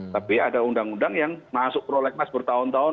tapi ada undang undang yang masuk prolegnas bertahun tahun